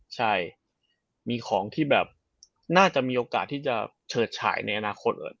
ใช่มีของที่แบบน่าจะมีโอกาสที่จะเฉิดฉายในอนาคต